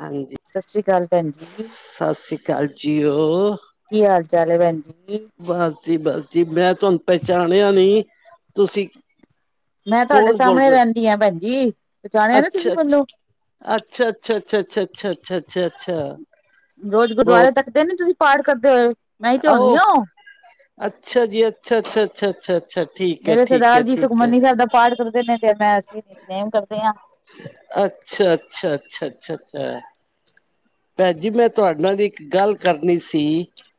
ਹਾਂਜੀ। ਸਸ੍ਰੀ ਕਾਲ ਭੈਨ ਜੀ। ਸਾਸ੍ਰੀ ਕਾਲ ਜੀਓ। ਕੀ ਹਾਲ-ਚਾਲ ਐ ਭੈਨ ਜੀ? ਬਾਸ ਜੀ, ਬਾਸ ਜੀ, ਮੈਂ ਥਾਂਨੂੰ ਪੈਚਾਣੇਆ ਨੀ ਤੁਸੀ ਮੈਂ ਤੁਆਡੇ ਸਾਮਣੇ ਰੈਂਦੀ ਆ ਭੈਨਜੀ। ਅੱਛਾ-ਅੱਛਾ, ਅੱਛਾ, ਅੱਛਾ, ਅੱਛਾ, ਅੱਛਾ, ਅੱਛਾ, ਅੱਛਾ, ਅੱਛਾ, ਅੱਛਾ। ਰੋਜ਼ ਗੁਰਦਾਰੇ ਬਹੁਤ ਤੱਕਦੇ ਨੀ, ਤੁਸੀਂ ਪਾਠ ਕਰਦੇ ਹੋਏ। ਮੈਂ ਹੀ ਤੇ ਆਓ, ਹੁੰਦੀ ਹਾਂ। ਅੱਛਾ ਜੀ, ਅੱਛਾ, ਅੱਛਾ, ਅੱਛਾ, ਅੱਛਾ ਅ ਮੇਰੇ ਸਰਦਾਰ ਜੀ ਸੁਖਮਨੀ ਸੈਬ ਦਾ ਪਾਠ ਕਰਦੇ ਨੇ, ਤੇ ਮੈਂ ਅਸੀੇ ਨਿਤਨੇਮ ਕਰਦੇ ਆਂ। ਅੱਛਾ, ਅੱਛਾ, ਅੱਛਾ, ਅੱਛਾ, ਅੱਛਾ। ਭੈਨ ਜੀ, ਮੈਂ ਤੁਆਡ ਨਾਲ ਇੱਕ ਗਾੱਲ ਕਰਨੀ ਸੀ।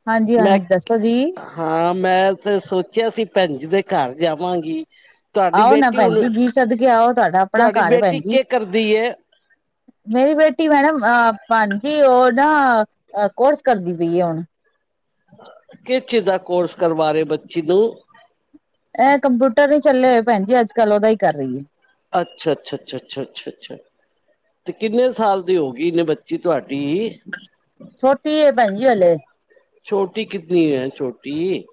ਹਾਂਜੀ, ਮੈਂ ਹਾਂਜੀ ਦੱਸੋ ਜੀ? ਹਾਂ, ਮੈਂ ਤੇ ਸੋਚੇਆ ਸੀ ਭੈਨ ਜੀ ਦੇ ਘਾਰ ਜਾਵਾਂਗੀ ਤੁਹਾਡੀ ਆਓ ਨਾ ਬੇਟੀ ਭੈਨ ਹੁਣ ਜੀ, ਜੀ ਸਦਕੇ ਆਓ ਤੁਆਡਾ ਆਪਣਾ ਤੁਹਾਡੀ ਘਾਰ ਏ ਬੇਟੀ ਭੈਨ ਜੀ। ਕੀ ਕਰਦੀ ਏ? ਮੇਰੀ ਬੇਟੀ ਮੈਡਮ ਅ, ਹਾਂਜੀ ਓ ਨਾ ਕੋਰਸ ਕਰਦੀ ਪਈ ਏ ਹੋਣ ਕਿਸ ਚੀਜ ਦਾ ਕੋਰਸ ਕਰਵਾ ਰਏ ਓ ਬੱਚੀ ਨੂੰ? ਏ ਕੰਪੂਟਰ ਨੀ ਚੱਲੇ ਹੋਏ ਭੈਨਜੀ ਅੱਜ-ਕੱਲ, ਓਦਾ ਈ ਕਰ ਰਈ ਏ। ਅੱਛਾ, ਅੱਛਾ, ਅੱਛਾੱ, ਅੱਛਾ, ਅੱਛਾ, ਅਛਾ। ਤੇ ਕਿੰਨੇ ਸਾਲ ਦੀ ਹੋ ਗਈ ਨੇ ਬੱਚੀ ਤੁਹਾਡੀ ਛੋਟੀ ਏ ਭੈਣ ਜੀ ਹਲੇ ਛੋਟੀ ਕਿਤਨੀ ਹੈ ਛੋਟੀ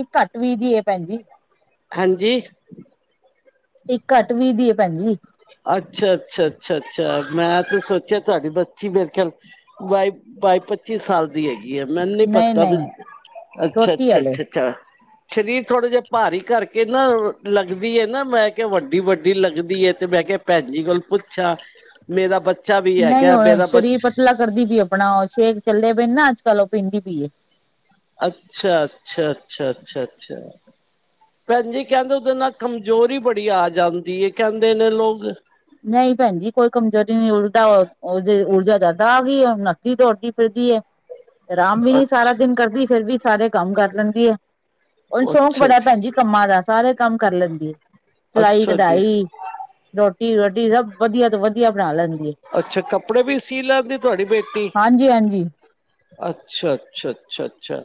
ਇਕ ਘੱਟ ਵੀ ਦੀ ਐ ਭੈਣ ਜੀ ਹਾਂਜੀ। ਇੱਕ ਘੱਟ ਵੀ ਦੀ ਏ ਭੈਨਜੀ ਅੱਛਾ, ਅੱਛਾ, ਅੱਛਾ, ਅੱਛਾ ਮੈਂ ਤੇ ਸੋਚੇਆ ਤੁਆਡੀ ਬੱਚੀ ਮੇਰੇ ਖੇਆਲ ਬਾਈ, ਬਾਈ ਪੱਚੀ ਸਾਲ ਹੈਗੀ ਏ, ਮੈਨ ਨੀ ਨਹੀਂ ਪਤਾ ਵੀ, ਨਹੀਂ ਅੱਛਾ, ਛੋਟੀ ਅੱਛਾ,, ਹਲੇ ਅੱਛਾ ਅੱਛਾ ਸ਼ਰੀਰ ਥੋੜੇ ਜੇ ਭਾਰੀ ਕਾਰਕੇ ਨਾ, ਲੱਗਦੀ ਏ ਨਾ ਮੈਂ ਕੈਹਾ ਵੱਡੀ, ਵੱਡੀ ਲੱਗਦੀ ਏ ਤੇ ਮੈਂ ਕੇਆ ਭੈਨ ਜੀ ਕੋਲ ਪੁੱਛਾਂ, ਮੇਰਾ ਬੱਚਾ ਵੀ ਹੈਗੈ ਮੇਰਾ ਬ ਲਾ ਕਰਦੀ ਪੀ ਆਪਣਾ, ਓ ਸ਼ੇਕ ਚੱਲਦੇ ਪਏ ਨਾ ਅੱਜ-ਕੱਲ ਓ ਪੀਂਦੀ ਪਈ ਏ। ਅੱਛਾ, ਅੱਛਾ, ਅੱਛਾ, ਅੱਛਾ, ਅੱਛਾ। ਭੈਨ ਜੀ ਕੈਂਦੇ ਹੂੰਦੇ ਨਾ, ਕਮਜੋਰੀ ਬੜੀ ਆ ਜਾਂਦੀ ਏ ਕੈਂਦੇ ਨੇ ਲੋਗ। ਨਈ ਭੈਨਜੀ ਕੋਈ ਕਮਜ਼ੋਰੀ ਨਈ ਉਲਟਾ ਓ ਊਰਜਾ ਜਾਦਾ ਆ ਗਈ ਏ, ਹੋਨ ਨਾਤੀ ਧੋਤੀ ਫਿਰਦੀ ਏ [inaudible] ਆਰਾਮ ਵੀ ਨੀ ਸਾਰਾ ਦਿਨ ਕਰਦੀ ਫੇਰ ਵੀ ਸਾਰੇ ਕੰਮ ਕਰ ਲੈਂਦੀ ਹੈ ਓਨੂੰ ਸ਼ੌਕ ਅੱਛਾ ਬੜਾ ਅੱਛਾ ਭੈਣ ਜੀ ਕੰਮਾਂ ਦਾ ਸਾਰੇ ਕੰਮ ਕਰ ਲੈਂਦੀ ਐ ਸਲਾਈ ਅੱਛਾ ਜੀ ਕਢਾਈ ਰੋਟੀ [unintelligible] ਵਧੀਆ ਤੋਂ ਵਧੀਆ ਬਣਾ ਲੈਂਦੀ ਅੱਛਾ ਕੱਪੜੇ ਵੀ ਸੀ ਲੈਂਦੀ ਤੁਹਾਡੀ ਬੇਟੀ ਹਾਂਜੀ, ਹਾਂਜੀ। ਅੱਛਾ, ਅੱਛਾ, ਅੱਛਾ, ਅੱਛਾ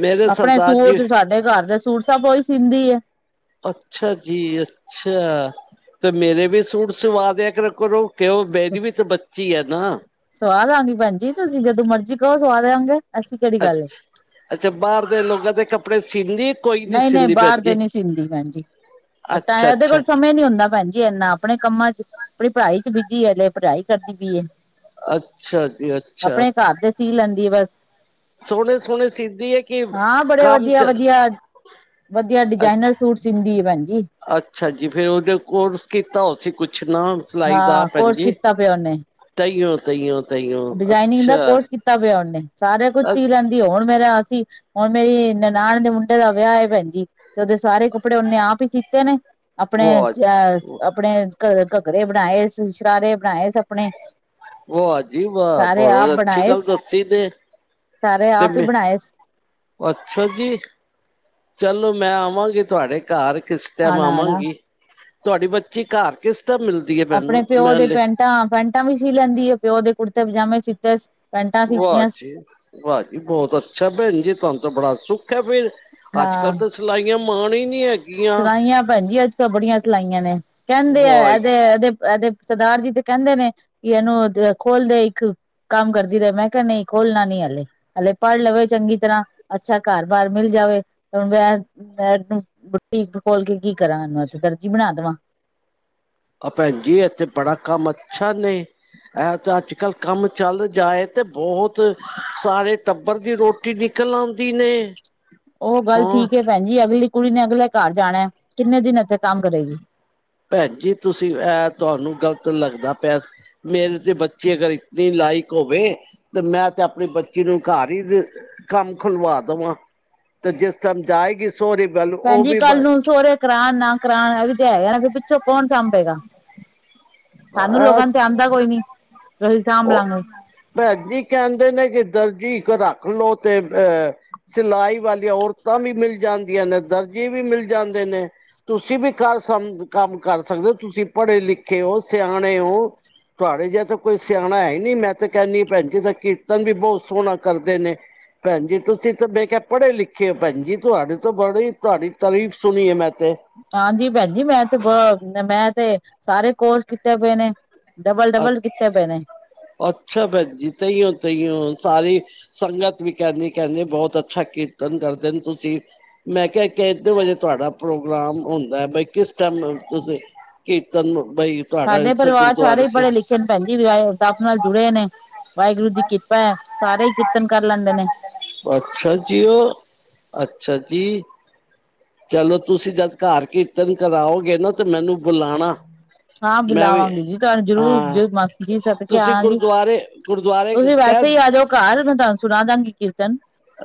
ਮੇਰੇ ਆਪਣੇ ਸਰਦਾਾਰ ਜੀ ਸੂਟ ਸਾਡੇ ਘਰ ਦੇ ਸੂਟ ਸਭ ਉਹੀ ਸੀਂਦੀ ਏ ਅੱਛਾ ਜੀ ਅੱਛਾ ਤੇ ਮੇਰੇ ਵੀ ਸੂਟ ਸਵਾਦਿਆ ਕਰੋ ਕਿ ਉਹ ਮੇਰੀ ਵੀ ਤਾਂ ਬੱਚੀ ਏ ਨਾ ਸਵਾ ਦਵਾਂਗੀ ਭੈਣਜੀ ਤੁਸੀਂ ਜਦੋਂ ਮਰਜੀ ਕਹੋ ਸਵਾ ਦਿਆਂਗੇ ਐਸੀ ਕਿਹੜੀ ਅੱਛ, ਗੱਲ ਏ। ਅੱਛਾ ਬਾਹਰ ਦੇ ਲੋਕਾਂ ਦੇ ਕੱਪੜੇ ਸੀਦੀ ਨਹੀਂ, ਨਹੀਂ ਬਾਹਰ ਦੇ ਨੀ ਸੀਦੀ ਭੈਣਜੀ ਤਾਂ ਅੱਛਾ ਇਹਦੇ ਅੱਛਾ ਕੋਲ ਸਮੇਂ ਨੀ ਹੁੰਦਾ ਭੈਣਜੀ ਇੰਨਾ ਆਪਣੇ ਕੰਮਾਂ ਚ ਆਪਣੀ ਪੜ੍ਹਾਈ ਚ ਬਿਜੀ ਹੈੇ ਪੜ੍ਹਾਈ ਕਰਦੀ ਪਈਏ ਅੱਛਾ ਜੀ ਅੱਛਾ ਆਪਣੇ ਘਰ ਤੇ ਸੀ ਲੈਂਦੀ ਆ ਬਸ ਸੋਹਣੇ ਸੋਹਣੇ ਸੀਦੀ ਏ ਕੀ ਹਾਂ ਬੜੇ ਕੰਮ ਵਧੀਆ ਚ ਵਧੀਆ ਵਧੀਆ ਡਿਜਾਇਨਰ ਅੱਛਾ ਸੂਟ ਸੀਂਦੀ ਏ ਭੈਣਜੀ ਅੱਛਾ ਜੀ ਫੇਰ ਉਹਨੇ ਕੋਰਸ ਕੀਤਾ ਹੋਸੀ ਕੁਛ ਨਾ ਸਲਾਈ ਦਾ ਹਾਂ ਭੈਨ ਕੋਰਸ ਜੀ ਕੀਤਾ ਪਿਆ ਉਹਨੇ ਤਈੳ, ਤਈਓ, ਤਈਓ ਅੱਛਾ [unintelligible] ਨੇ ਸਾਰੇ ਕੁਝ ਅ- ਸੀ ਲੈਂਦੇ ਹੁਣ ਮੇਰਾ ਅਸੀਂ ਹੁਣ ਮੇਰੀ ਨਨਾਣ ਦੇ ਮੁੰਡੇ ਦਾ ਵਿਆਹ ਏ ਭੈਣਜੀ ਤੇ ਉਹਦੇ ਸਾਰੇ ਕੱਪੜੇ ਓਨੇ ਆਪ ਹੀ ਸੀਤੇ ਨੇ ਆਪਣੇ ਵਾਹ ਜੀ ਆਪਣੇ ਘ ਘਗਰੇ ਬਣਾਏ ਸੀ ਸ਼ਰਾਰੇ ਬਣਾਏ ਸੀ ਆਪਣੇ ਵਾਹ ਜੀ ਵਾਹ ਸਾਰੇ ਆਪ ਬਹੁਤ ਅੱਛੀ ਬਣਾਏ ਗੱਲ ਦੱਸੀ ਨੇ ਸਾਰੇ ਤੇ ਆਪ ਈ ਮੈਂ ਬਣਾਏ ਅੱਛਾ ਜੀ ਚਲੋ ਮੈਂ ਆਵਾਂਗੀ ਤੁਹਾਡੇ ਘਰ ਕਿਸ ਟਾਈਮ ਆਣਾ ਆਣਾ ਆਵਾਂਗੀ ਤੁਹਾਡੀ ਬੱਚੀ ਘਰ ਕਿਸ ਟਾਈਮ ਮਿਲਦੀ ਹੈ। ਮੈਨੂੰ ਮੈਂ ਹਲੇ ਤਾਂ ਪੈਂਟਾਂ ਵੀ ਸੀ ਲੈਂਦੀ ਹੈ ਪਿਓ ਦੇ ਕੁੜਤੇ ਪਜਾਮੇ ਸੀਤੇ ਪੈਂਟਾਂ ਸੀਤੀਆਂ ਵਾਜੀ ਬਹੁਤ ਅੱਛਾ ਭੈਣ ਜੀ ਤੁਹਾਨੂੰ ਤਾਂ ਬੜਾ ਸੁੱਖ ਹੈ ਫਿਰ ਅੱਜ ਕੱਲ ਹਾਂ ਤਾਂ ਸਲਾਈਆਂ ਮਾਣ ਈ ਨਹੀਂ ਐ। ਸਿਲਾਈਆਂ ਭੈਣਜੀ ਅੱਜ ਕਲ ਬੜੀਆਂ ਸਿਲਾਈਆਂ ਨੇ ਕਹਿੰਦੇ ਆ ਵਾਹ ਇਹਦੇ, ਇਹਦੇ, ਇਹਦੇ ਸਰਦਾਰ ਜੀ ਤੇ ਕਹਿੰਦੇ ਨੇ ਕਿ ਇਹਨੂੰ ਖੋਲਦੇ ਇੱਕ ਕੰਮ ਕਰਦੀ ਰਹੇ ਮੈਂ ਕਿਹਾ ਨਹੀਂ ਖੋਲਣਾ ਨਹੀਂ ਹਾਲੇ ਹਲੇ ਪੜ੍ਹ ਲਵੇ ਚੰਗੀ ਤਰ੍ਹਾਂ ਅੱਛਾ ਘਰ ਬਾਹਰ ਮਿਲ ਜਾਵੇ ਹੁਣ ਮੈਂ ਬੁਟੀਕ ਖੋਲ ਕੇ ਕੀ ਕਰਾਂ ਬਸ ਦਰਜੀ ਬਣਾ ਦੇਵਾਂ ਆ ਪੈਣ ਜੀ ਇੱਥੇ ਬੜਾ ਕੰਮ ਅੱਛਾ ਨੇ ਐ ਤੇ ਅੱਜ-ਕੱਲ੍ਹ ਕੰਮ ਚੱਲ ਜਾਏ ਤੇ ਬਹੁਤ ਸਾਰੇ ਟੱਬਰ ਦੀ ਰੋ ਟੀ ਨਿਕਲ ਆਉਂਦੀ ਨੇ ਉਹ ਗੱਲ ਹਾਂ ਠੀਕ ਹੈ, ਭੈਣ ਜੀ ਅਗਲੀ ਕੁੜੀ ਨੇ ਅਗਲੇ ਘਰ ਜਾਣਾ ਕਿੰਨੇ ਦਿਨ ਇੱਥੇ ਕੰਮ ਕਰੇਗੀ। ਪੈਣ ਜੀ ਤੁਸੀਂ ਇਹ ਤੁਹਾਨੂੰ ਗ਼ਲਤ ਲੱਗਦਾ ਪਿਆ। ਮੇਰੇ ਤੇ ਬੱਚੇ ਅਗਰ ਇਤਨੀ ਲਾਇਕ ਹੋਵੇ। ਤੇ ਮੈਂ ਤੇ ਆਪਣੀ ਬੱਚੀ ਨੂੰ ਘਰ ਹੀ ਕੰਮ ਖੁਲਵਾ ਦੇਵਾਂ ਜਿਸ ਟਾਈਮ ਜਾਏਗੀ। [unintelligible] ਭੈਣਜੀ ਕੱਲ ਨੂੰ ਸੋਹੁਰੇ ਕਰਾਉਣ ਨਾ ਕਰਾਉਣ। [unintelligible] ਪਿੱਛੋਂ ਕੌਣ ਸਾਂਬੇਗਾ, ਸਾਨੂੰ ਅਹ ਲੋਕਾਂ ਤੇ ਆਦਾ ਕੋਈ ਨੀ। ਤੇ ਅਸੀਂ ਸਾਂਭ ਉਹ ਲਾਂਗੇ ਭੈਜੀ ਕਹਿੰਦੇ ਨੇ ਕੇ ਦਰਜੀ ਇੱਕ ਰੱਖ ਲਓ ਤੇ ਅਹ, ਸਿਲਾਈ ਵਾਲੀਆਂ ਔਰਤਾਂ ਵੀ ਮਿਲ ਜਾਂਦੀਆਂ ਨੇ ਦਰਜੀੇ ਵੀ ਮਿਲ ਜਾਂਦੇ ਨੇ ਤੁਸੀਂ ਵੀ ਘਰ ਸਮ ਕੰਮ ਕਰ ਸਕਦੇ, ਹੋ ਤੁਸੀਂ ਪੜ੍ਹੇ ਲਿਖੇ ਓ ਸਿਆਣੇ ਓ। ਤੁਹਾੜੇ ਜਿਹਾ ਤਾਂ ਕੋਈ, ਸਿਆਣਾ ਹੈ ਨੀ ਮੈਂ ਤੇ ਕਹਿੰਦੀ ਭੈਣ ਜੀ ਦਾ ਕੀਰਤਨ ਵੀ ਬਹੁਤ ਸੋਹਣਾ ਕਰਦੇ ਨੇ ਪੈਣ ਜੀ ਤੁਸੀਂ ਤੇ ਬੇ ਕਿਹਾ ਪੜ੍ਹੇ ਲਿਖੇ ਹੋ ਪੈਣ ਜੀ, ਤੁਹਾਡੇ ਤੋਂ ਬੜੀ ਤੁਹਾਡੀ ਤਾਰੀਫ਼ ਸੁਣੀ ਏ ਮੈਂ ਤੇ ਹਾਂਜੀ ਭੈਣ ਜੀ, ਮੈਂ ਤੇ ਬ ਮੈਂ ਤੇ ਸਾਰੇ ਕੋਰਸ ਕੀਤੇ ਪਏ ਨੇ। ਅੱ ਡਬਲ-ਡਬਲ ਕੀਤੇ ਪਏ ਨੇ। ਅੱਛਾ ਭੈਣਜੀ ਤਈਓ-ਤਈਓ ਸਾਰੀ ਸੰਗਤ ਵੀ ਕਹਿੰਦੀ ਕਹਿੰਦੀ ਬਹੁਤ ਅੱਛਾ ਕੀਰਤਨ ਕਰਦੇ ਨ ਤੁਸੀਂ ਮੈਂ ਕਿਹਾ ਕਿਤੇ ਵਜੇ ਤੁਹਾਡਾ ਪ੍ਰੋਗਰਾਮ ਹੁੰਦਾ? ਬਈ ਕਿਸ ਟਾਈਮ ਤੁਸੀਂ ਕੀ ਤਨ ਬਈ ਤੁਹਾਡਾ ਸਾਡੇ ਇੱਥੇ ਪਰਿਵਾਰ ਸਾਰੇ ਗੁਰਦੁਆਰੇ ਹੀ ਚ ਪੜ੍ਹੇ ਲਿਖੇ ਭੈਣ ਜੀ ਵਾਹਿ ਰੱਬ ਨਾਲ ਜੁੜੇ ਹੋਏ ਨੇ ਵਾਹਿਗੁਰੂ ਦੀ ਕਿਰਪਾ ਹੈ, ਸਾਰੇ ਹੀ ਕੀਰਤਨ ਕਰ ਲੈਂਦੇ ਨੇ। ਅੱਛਾ ਜੀ ਉਹ ਅੱਛਾ ਜੀ। ਚਲੋ ਤੁਸੀਂ, ਜਦ ਘਰ ਕੀਰਤਨ ਕਰਾਓਗੇ ਨਾ ਤੇ ਮੈਨੂੰ ਬੁਲਾਣਾ ਹਾਂ ਮੈਂ ਵੀ ਬੁਲਾਵਾਂਗੀ ਜੀ ਤੁਹਾਨੂੰ ਜ਼ਰੂਰ ਹਾਂ ਜ ਜੀ ਸਦਕੇ ਤੁਸੀਂ ਆਣਾ ਜੀ ਗੁਰਦੁਆਰੇ ਗੁਰਦੁਆਰੇ ਕਹਿ ਤੁਸੀਂ ਆਜੋ ਘਾਰ ਮੈਂ ਤੁਹਾਨੂੰ ਸੁਣਾ ਦਾਂਗੀ ਕਿਰਤਨ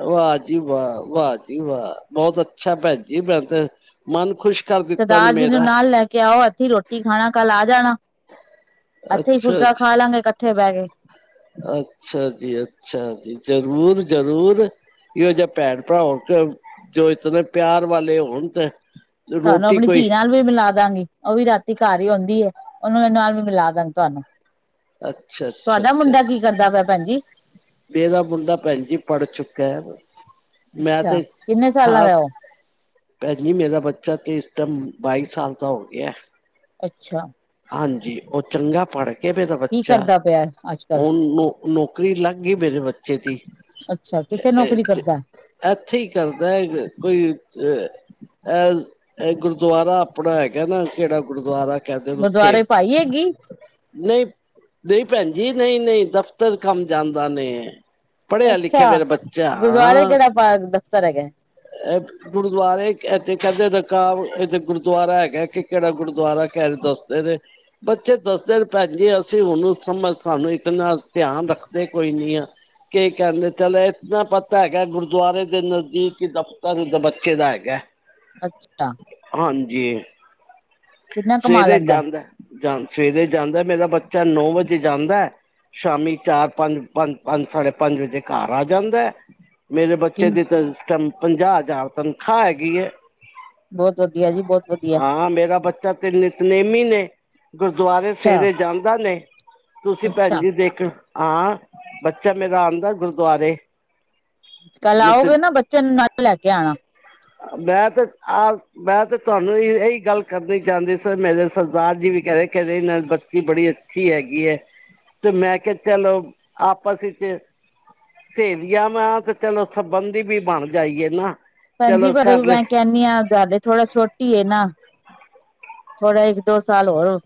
ਵਾਹ ਜੀ ਵਾਹ-ਵਾਹ ਜੀ ਵਾਹ! ਬਹੁਤ ਅੱਛਾ ਪੈਣ ਜੀ ਫਿਰ ਤੇ ਮਨ ਖੁਸ਼ ਕਰ ਦਿੱਤਾ ਨੇ ਸਰਦਾਰ ਜੀ ਨੂੰ ਮੇਰਾ, ਨਾਲ ਲੈ ਕੇ ਆਓ ਅੱਥੈ ਹੀ ਰੋਟੀ ਰੋਟੀ ਖਾਣਾ ਕੱਲ ਆ ਜਾਣਾ, ਇੱਥੇ ਹੀ ਅੱਛਾ ਫੁਲਕਾ ਜੀ। ਖਾ ਲਾਂਗੇ ਕੱਠੇ ਬਹਿ ਕੇ। ਅੱਛਾ ਜੀ-ਅੱਛਾ ਜੀ, ਜ਼ਰੂਰ-ਜ਼ਰੂਰ। ਇਹੋ ਜੇ ਪੈਣ-ਭਰਾ ਹੋਣ ਜੋ ਇਤਨੇ ਪਿਆਰ ਵਾਲੇ ਹੋਣ ਤੇ ਤਾਨੂੰ ਰੋਟੀ ਆਪਣੀ ਕੋਈ ਧੀ ਨਾਲ ਵੀ ਮਿਲਾ ਦਾਂਗੀ, ਉਹ ਵੀ ਰਾਤੀ ਘਰ ਹੀ ਹੁੰਦੀ ਏ ਉਹਦੇ ਨਾਲ ਵੀ ਮਿਲਾ ਦਾਂਗੀ ਤੁਹਾਨੂੰ ਅੱਛਾ, ਅੱਛਾ, ਤੁਹਾਡਾ ਅੱਛਾ ਮੁੰਡਾ ਕੀ ਕਰਦਾ ਪਿਆ ਭੈਣ? ਜੀ? ਮੇਰਾ ਮੁੰਡਾ ਭੈਣ ਜੀ ਪੜ੍ਹ ਚੁੱਕਾ। ਮੈਂ ਤੇ ਅੱਛਾ। ਕਿੰਨੇ ਸਾਲਾਂ ਖਾਸ- ਦਾ ਉਹ? ਪੈਣਜੀ ਮੇਰਾ ਬੱਚਾ ਤੇ ਇਸ ਟੈਮ ਬਾਈ ਸਾਲ ਦਾ ਹੋ ਗਿਆ। ਅੱਛਾ। ਹਾਂਜੀ ਉਹ ਚੰਗਾ ਪੜ ਕਿ ਮੇਰਾ ਕੀ ਬੱਚਾ ਕਰਦਾ ਪਿਆ ਅੱਜ ਕੱਲ? ਹੁਣ ਨੌਂ ਨੌਕਰੀ ਲੱਗ ਗਈ ਮੇਰੇ ਬੱਚੇ ਦੀ ਅੱਛਾ ਕਿੱਥੇ ਨੌਕਰੀ ਕਰਦਾ? ਇੱਥੇ ਹੀ ਕਰਦਾ ਕੋਈ ਇਹ ਇਹ ਗੁਰਦੁਆਰਾ ਆਪਣਾ ਹੈਗਾ ਨਾ ਕਿਹੜਾ ਗੁਰਦੁਆਰਾ ਕਹਿੰਦੇ ਨੇ ਦੁਆਰੇ ਪਾਈ ਏ ਕਿ- ਨਹੀਂ ਨਹੀਂ ਪੈਣਜੀ ਨਹੀਂ-ਨਹੀਂ ਦਫ਼ਤਰ ਕੰਮ ਜਾਂਦਾ ਨੇ। ਪੜ੍ਹਿਆ ਲਿਖਿਆ ਅੱਛਾ। ਮੇਰਾ ਬੱਚਾ ਗੁਰਦੁਆਰੇ ਹਾਂ। ਕਿਹੜਾ ਪਾ ਦਫ਼ਤਰ ਹੈਗਾ? ਗੁਰਦੁਆਰੇ ਇੱਥੇ ਕਹਿੰਦੇ ਇੱਥੇ ਗੁਰਦੁਆਰਾ ਹੈਗਾ ਕਿ ਕਿਹੜਾ ਗੁਰਦੁਆਰਾ ਕਹਿ ਰਹੇ ਦੱਸ ਨਹੀ-ਨਹੀ। ਬੱਚੇ ਦੱਸਦੇ ਪੈਣਜੀਏ ਅਸੀਂ ਹਨੂੰ ਸਾਨੂੰ ਇੱਤਨਾ ਧਿਆਨ ਰੱਖਦੇ ਕੋਈ ਨੀ ਆ। ਕੀ ਕਹਿੰਦੇ ਚੱਲ ਇਨਾ ਪਤਾ ਹੈਗਾ ਗੁਰਦੁਆਰੇ ਦੇ ਨਜ਼ਦੀਕ ਦਫ਼ਤਰ ਬੱਚੇ ਦਾ ਹੈਗਾ। ਅੱਛਾ। ਹਾਂਜੀ। ਕਿੰਨਾ ਕਮਾ ਸਵੇਰੇ ਲੈਂਦਾ? ਜਾਂਦਾ ਜਾਂ ਸਵੇਰੇ ਜਾਂਦਾ ਮੇਰਾ ਬੱਚਾ ਨੌ ਵਜੇ ਜਾਂਦਾ। ਸ਼ਾਮੀ ਚਾਰ-ਪੰਜ ਪੰਜ ਪੰਜ ਸਾਢੇ-ਪੰਜ ਵਜੇ ਘਰ ਆ ਜਾਂਦਾ। ਮੇਰੇ ਬੱਚੇ ਕਿਨ ਦੀ ਇਸ ਟੈਮ ਪੰਜਾਹ ਹਜ਼ਾਰ ਤਨਖਾਹ ਹੈਗੀ ਏ। ਬਹੁਤ ਵਧੀਆ ਜੀ ਬਹੁਤ ਵਧੀਆ। ਹਾਂ ਮੇਰਾ ਬੱਚਾ ਤੇ, ਨਿਤਨੇਮੀ ਨੇ। ਗੁਰਦੁਆਰੇ ਅੱਛਾ ਸੇਰੇ ਜਾਂਦਾ ਨੇ ਤੁਸੀਂ ਭੈਣ ਅੱਛਾ ਜ ਦੇਖਣ ਹਾਂ ਬੱਚਾ ਮੇਰਾ ਆਂਦਾ ਗੁਰਦੁਆਰੇ। ਕੱਲ ਨਿਤ ਆਓਗੇ ਨਾ ਬੱਚੇ ਨੂੰ ਨਾਲ ਲੈ ਕੇ ਆਣਾ। ਮੈਂ ਤੇ ਆ ਮੈਂ ਤੇ ਤੁਹਾਨੂੰ ਇਹੀ ਗੱਲ ਕਰਨੀ ਜਾਂਦੇ ਸਨ ਮੇਰੇ ਸਰਦਾਰ ਜੀ ਵੀ ਕਹਿ ਰਹੇ ਕਹਿੰਦੇ ਨਾਲ ਬੱਚੀ ਬੜੀ ਅੱਛੀ ਹੈਗੀ ਹੈ। ਤੇ ਮੈਂ ਕਿਹਾ ਚਲੋ ਆਪਸ ਵਿੱਚ ਸੇਰੀਆ ਮੈਂ ਤੇ ਚਲੋ ਸੰਬਧ ਦੀ ਵੀ ਬਣ ਜਾਈਏ ਨਾ। ਭੈਣ ਜੀ ਚਲੋ ਪਰ ਕਰ ਲਏ ਮੈਂ ਕਹਿੰ ਇਨੀ ਆਂ ਥੋੜਾ ਛੋਟੀ ਨਾ ਥੋੜਾ ਇੱਕ ਦੋ ਸਾਲ ਹੋਰ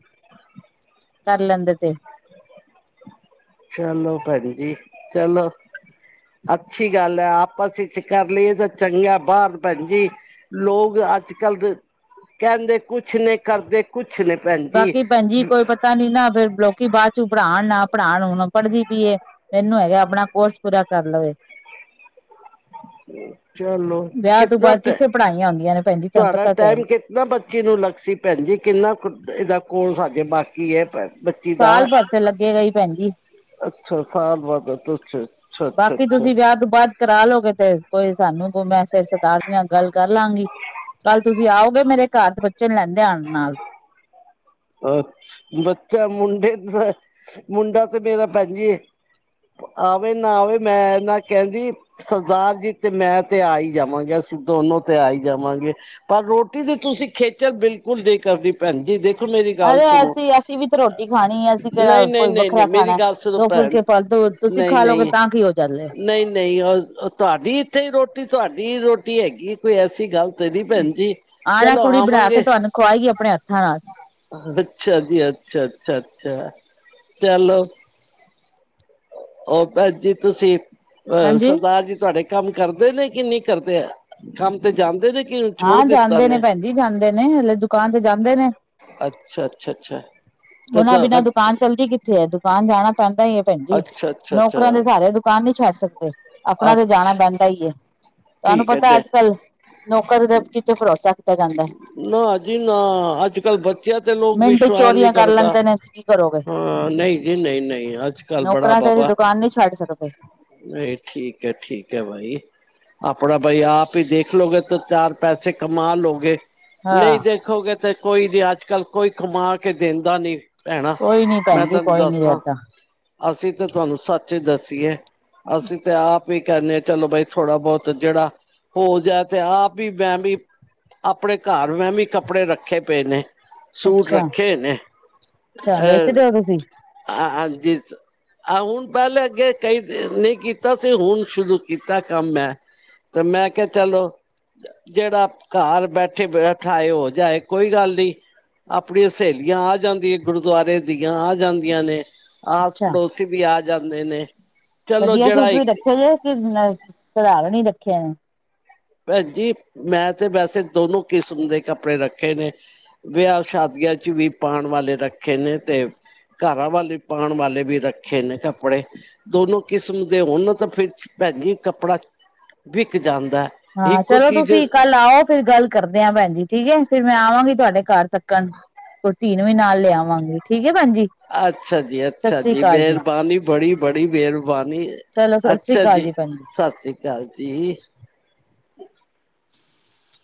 ਕਰ ਲੈਂਦੇ ਤੇ। ਚਲੋ ਭੈਣ ਜੀ ਚਲੋ। ਅੱਛੀ ਗੱਲ ਹੈ ਆਪਸ ਵਿੱਚ ਕਰ ਲਈਏ ਤਾਂ ਚੰਗਾ ਬਾਹਰ ਭੈਣ ਜੀ। ਲੋਕ ਅੱਜ ਕੱਲ ਦੇ ਕਹਿੰਦੇ ਕੁਛ ਨੇ ਕਰਦੇ ਕੁਛ ਨੇ ਭੈਣ ਜੀ ਬਾਕੀ ਭੈਣਜੀ ਕੋਈ ਪਤਾ ਨੀ ਨਾ ਫਿਰ ਲੋਕੀ ਬਾਅਦ ਚ ਪੜ੍ਹਾਉਣ ਨਾ ਪੜ੍ਹਾਉਣ ਹੁਣ ਪੜ੍ਹਦੀ ਪਈਏ। ਮੈਨੂੰ ਹੈਗਾ ਆਪਣਾ ਕੋਰਸ ਪੂਰਾ ਕਰ ਲਵੇ। ਚਲੋ ਵਿਆਹ ਤੋਂ ਕਿਤਨਾ ਬਾਅਦ ਕਿੱਥੇ ਪੜ੍ਹਾਈਆਂ ਆਉਂਦੀਆਂ ਨੇ ਭੈਣ ਜੀ ਤੁਹਾਨੂੰ ਪਤਾ ਤੇ ਆਈ। ਨਾ ਬੱਚੀ ਨੂੰ ਲੱਗ ਸੀ ਭੈਣ ਜੀ ਕਿੰਨਾ ਕੁ ਇਹਦਾ ਕੋਲ ਸਾਜੇ ਬਾਕੀ ਹੈ ਭੈਣ। ਸਾਲ ਭਰ ਚ ਲੱਗੇ ਗਈ ਭੈਣ ਜੀ। ਅੱਛਾ ਸਾਲ ਬਾਦ ਅੱਛਾ। ਅੱਛਾ ਬਾਕੀ ਅੱਛਾ ਤੁਸੀਂ ਵਿਆਹ ਤੋਂ ਬਾਅਦ ਕਰਾਲਗੇ ਤੇ ਕੋਈ ਸਾਨੂੰ ਕੋ ਮੈਂ ਫਿਰ ਸਰਦਾਰ ਜੀ ਨਾਲ ਗੱਲ ਕਰ ਲਾਂਗੀ। ਕੱਲ ਤੁਸੀਂ ਆਓਗੇ ਮੇਰੇ ਘਰ ਦੇ ਬੱਚੇ ਨੂੰ ਲੈਂਦੇ ਆਉਣ ਨਾਲ। ਅ ਬੱਚਾ ਮੁੰਡੇ ਦਾ ਮੁੰਡਾ ਤੇ ਮੇਰਾ ਭੈਣ ਜੀ ਆਵੇ ਨਾ ਆਵੇ ਮੈਂ ਨਾ ਕਹਿੰਦੀ। ਸਰਦਾਰ ਜੀ ਤੇ ਮੈਂ ਤੇ ਆ ਹੀ ਜਾਵਾਂਗੇ ਅਸੀਂ ਦੋਨੋ ਤੇ ਆਈ ਜਾਵਾਂਗੇ। ਪਰ ਰੋਟੀ ਦੀ ਤੁਸੀਂ ਖੇਚਲ ਬਿਲਕੁਲ ਨਹੀਂ ਕਰਨੀ ਭੈਣ ਜੀ ਦੇਖ ਮੇਰੀ ਗੱਲ ਅਰੇ ਸੁਣੋ ਅਸੀਂ ਅਸੀਂ ਵੀ ਤੇ ਰੋਟੀ ਖਾਣੀ ਹੈ ਅਸੀਂ ਨਹੀਂ ਕਿਹੜਾ ਨਹੀਂ ਕੋਈ ਨਹੀਂ ਵੱਖਰਾ ਨਹੀਂ ਮੇਰੀ ਖਾਣਾ ਗੱਲ ਸੁਣੋ ਦੋ ਭੈਣ ਫੁਲਕੇ ਫਾਲਤੂ ਤੁਸੀਂ ਨਹੀਂ ਖਾ ਲੋਗੇ ਨਹੀਂ ਤਾਂ ਕੀ ਹੋ ਚੱਲੇ ਨਹੀਂ ਨਹੀਂ ਉਹ ਤੁਹਾਡੀ ਇੱਥੇ ਹੀ ਰੋਟੀ ਤੁਹਾਡੀ ਰੋਟੀ ਹੈਗੀ ਕੋਈ ਐਸੀ ਗੱਲ ਤੇ ਦੀ ਭੈਣ ਜੀ ਚਲੋ ਆਵਾਂਗੇ। ਖੁਵਾਏਗੀ ਆਪਣੇ ਹੱਥਾਂ ਨਾਲ। ਅੱਛਾ ਜੀ ਅੱਛਾ ਅੱਛਾ ਅੱਛਾ ਚੱਲੋ। ਉਹ ਭੈਣ ਜੀ ਤੁਸੀਂ ਅ ਹਾਂਜੀ ਸਰਦਾਰ ਜੀ ਤੁਹਾਡੇ ਕੰਮ ਕਰਦੇ ਨੇ ਕਿ ਨਹੀਂ ਕਰਦੇ? ਕੰਮ ਤੇ ਜਾਂਦੇ ਨੇ ਕਿ ਛੋੜ ਹਾਂ ਦਿੱਤਾ ਜਾਂਦੇ ਨੇ। ਭੈਣ ਜਾਂਦੇ ਨੇ ਹਲੇ ਦੁਕਾਨ ਚ ਜਾਂਦੇ ਨੇ ਅੱਛਾ ਅੱਛਾ ਅੱਛਾ। ਤੇ ਉਹਨਾਂ ਬਿਨਾ ਤੁਹਾਡਾ ਦੁਕਾਨ ਚੱਲਦੀ ਕਿੱਥੇ ਹੈ ਦੁਕਾਨ ਜਾਣਾ ਪੈਂਦਾ। ਭੈਣ ਜੀ ਅੱਛਾ ਅੱਛਾ ਨੌਕਰਾਂ ਅੱਛਾ ਦੇ ਸਾਰੇ ਦੁਕਾਨ ਨੀ ਛੱਡ ਸਕਦੇ ਆਪਣਾ ਤੇ ਜਾਣਾ ਅੱਛ ਪੈਂਦਾ ਹੀ ਹੈ। ਤੁਹਾਨੂੰ ਠੀਕ ਹੈ ਪਤਾ ਦੇ ਅੱਜ ਕੱਲ ਨੌਕਰ ਦੇ ਕਿਥੋਂ ਭਰੋਸ। ਨਾ। ਜੀ। ਨਾ। ਅੱਜ। ਕੱਲ। ਬੱਚਿਆਂ। ਤੇ। ਲੋਕ। ਮਿੰਟ ਵਿਸ਼ਵਾਸ। ਚੋਰੀਆਂ ਕਰ ਕਰਦਾ ਲੈਂਦੇ ਨੇ ਕੀ ਕਰੋਗੇ ਹਾਂ ਨਹੀਂ ਜੀ ਨਹੀਂ ਨਹੀਂ ਅੱਜ ਕਲ ਬੜਾ ਨੌਕਰਾਂ ਤੇ ਬਾਬਾ। ਦੁਕਾਨ ਨਹੀਂ ਛੱਡ ਸਕਦੇ ਨਹੀਂ ਠੀਕ ਏ ਠੀਕ ਏ ਬਾਈ ਆਪਣਾ ਬਾਈ ਆਪ ਹੀ ਦੇਖ। ਦੇਖ ਲੋਗੇ ਤਾਂ ਚਾਰ ਪੈਸੇ ਕਮਾ ਲੋਗੇ ਨਹੀਂ ਹਾਂ ਦੇ। ਦੇਖੋਗੇ ਤੇ ਕੋਈ ਵੀ ਅੱਜ ਕੱਲ ਕੋਈ ਕਮਾ ਕੇ ਦਿੰਦਾ ਨੀ। ਭੈਣਾਂ ਕੋਈ ਨੀ ਮੈਂ ਭੈਣ ਜੀ ਤੁਹਾਨੂੰ ਕੋਈ ਨੀ ਦੱਸ ਆ। ਏਦਾਂ ਅਸੀਂ ਤਾਂ ਤੁਹਾਨੂੰ ਸੱਚ ਹੀ ਦੱਸੀਏ ਅਸੀਂ ਤਾਂ ਆਪ। ਵੀ ਕਹਿੰਦੇ ਆ ਚਲੋ ਬਾਈ ਥੋੜਾ ਬਹੁਤ ਜਿਹੜਾ ਹੋ ਜਾ ਤੇ ਆਪ ਵੀ ਮੈਂ ਵੀ ਆਪਣੇ ਘਰ ਮੈਂ ਵੀ ਕੱਪੜੇ ਰੱਖੇ ਪਏ ਨੇ। ਸੂਟ ਅੱਛਾ ਰੱਖੇ ਨੇ ਅੱਛਾ ਅ ਵੇਚਦੇ ਹੋ ਤੁਸੀਂ ਹਾਂਜੀ। ਆਹ ਹੁਣ ਪਹਿਲੇ ਅੱਗੇ ਕਈ ਨਹੀਂ ਕੀਤਾ ਸੀ ਹੁਣ ਸ਼ੁਰੂ ਕੀਤਾ ਕੰਮ ਮੈਂ। ਤੇ ਮੈਂ ਕਿਹਾ ਚਲੋ ਜਿਹੜਾ ਘਰ ਬੈਠੇ ਬੈਠਾਏ ਹੋ ਜਾਏ ਕੋਈ ਗੱਲ ਨੀ। ਆਪਣੀਆਂ ਸਹੇਲੀਆਂ ਆ ਜਾਂਦੀਆਂ ਗੁਰਦੁਆਰੇ ਦੀਆਂ ਆ ਜਾਂਦੀਆਂ ਨੇ। ਆਸ ਅੱਛਾ ਪੜੋਸੀ ਵੀ ਆ ਜਾਂਦੇ ਨੇ। ਚਲੋ ਵਧੀਆ ਸੂਟ ਜਿਹੜਾ ਵੀ ਇੱਕ ਰੱਖੇ ਜੇ ਕਿ ਸੁਧਾਰਨੀ ਰੱਖੇ ਨੇ। ਭੈਣ ਜੀ ਮੈਂ ਤੇ ਵੈਸੇ ਦੋਨੋ ਕਿਸਮ ਦੇ ਕੱਪੜੇ ਰੱਖੇ ਨੇ। ਵਿਆਹ ਸ਼ਾਦੀਆਂ ਚ ਵੀ ਪਾਣ ਵਾਲੇ ਰੱਖੇ ਨੇ ਤੇ। ਘਰਾਂ ਵਾਲੇ ਪਾਉਣ ਵਾਲੇ ਵੀ ਰੱਖੇ ਨੇ ਕੱਪੜੇ। ਦੋਨੋ ਕਿਸਮ ਦੇ ਹੋਣ ਤਾਂ ਫਿਰ ਭੈਜੀ ਕੱਪੜਾ ਵਿਕ ਜਾਂਦਾ। ਹਾਂ ਇੱਕੋ ਚਲੋ ਤੁਸੀਂ ਚੀਜ਼ ਕੱਲ ਆਓ ਫੇਰ ਗੱਲ ਕਰਦੇ ਹ ਭੈਣ। ਜੀ। ਠੀਕ ਹੈ ਫੇਿਰ ਮੈਂ ਆਵਾਂਗੀ ਤੁਹਾਡੇ ਘਰ ਤੱਕਣ। [unintelligible] ਨੂੰ। ਵੀ ਲਿਆਵਾਂਗੀ ਠੀਕ ਐ ਭੈਜੀ ਅੱਛਾ ਜੀ ਅੱਛਾ ਜੀ ਮਿਹਰਬਾਨੀ ਬੜੀ ਬੜੀ ਮਿਹਰਬਾਨੀ। ਚਲੋ ਸਤਿ ਸ੍ਰੀ ਅੱਛਾ ਅਕਾਲ ਜੀ ਭੈਣ ਸਤਿ ਸ੍ਰੀ ਅਕਾਲ ਜੀ। [unintelligible]